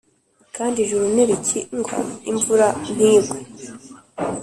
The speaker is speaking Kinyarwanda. Kandi ijuru nirikingwa imvura ntigwe